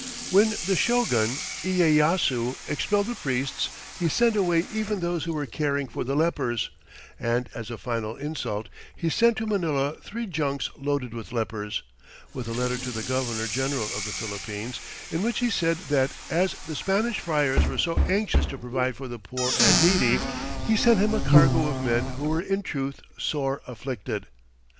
When the Shogun Iyeyasu expelled the priests he sent away even those who were caring for the lepers, and as a final insult, he sent to Manila three junks loaded with lepers, with a letter to the governor general of the Philippines, in which he said that, as the Spanish friars were so anxious to provide for the poor and needy, he sent him a cargo of men who were in truth sore afflicted.